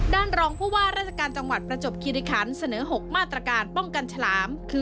รองผู้ว่าราชการจังหวัดประจบคิริคันเสนอ๖มาตรการป้องกันฉลามคือ